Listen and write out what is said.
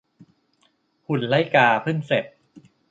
หุ่นไล่กาเพิ่งเสร็จ